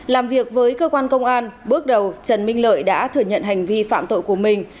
làm việc với cơ quan công an bước đầu trần minh lợi đã thừa nhận hành vi phạm tội của mình